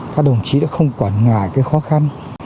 các đồng chí đã không quản ngại khó khăn